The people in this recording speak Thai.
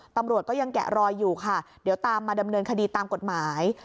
ตำรวจก็ยังแกะรอยอยู่ค่ะเดี๋ยวตามมาดำเนินคดีตามกฎหมาย